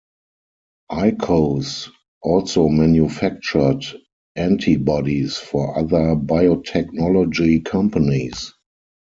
Icos also manufactured antibodies for other biotechnology companies.